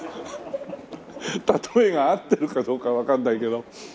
例えが合ってるかどうかわかんないけど。